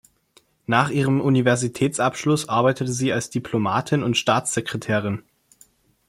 Nach ihrem Universitätsabschluss arbeitete sie als Diplomatin und Staatssekretärin.